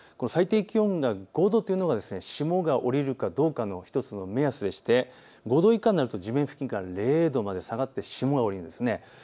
最低気温が５度というのは霜が降りるかどうかの１つの目安でして、５度以下になると地面付近が０度まで下がって霜が降りるんです。